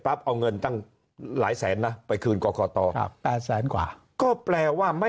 เอาเงินตั้งหลายแสนนะไปคืนกรกต๘แสนกว่าก็แปลว่าไม่